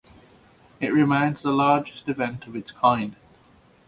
It remains the largest event of its kind.